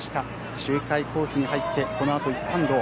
周回コースに入ってこのあと一般道。